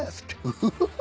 フフフフ！